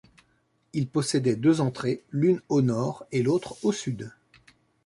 Il possédait deux entrées, l'une au Nord et l'autre au Sud.